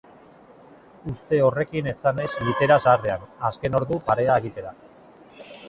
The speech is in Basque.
Uste horrekin etzan naiz litera zaharrean azken ordu parea egitera.